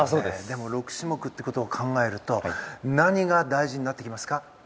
でも、６種目ってことを考えると何が大事になってきますか？